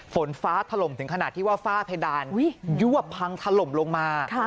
ฝนฟ้าถล่มถึงขนาดที่ว่าฝ้าเพดานยั่วพังถล่มลงมา